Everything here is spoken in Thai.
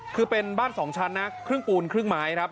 คือเป็นบ้าน๒ชั้นนะครึ่งปูนครึ่งไม้ครับ